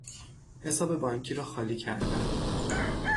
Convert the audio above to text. حساب بانکی را خالی کردن